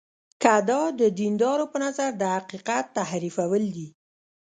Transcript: که دا د دیندارانو په نظر د حقیقت تحریفول دي.